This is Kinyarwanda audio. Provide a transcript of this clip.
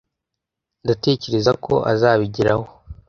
ndatekereza ko azabigeraho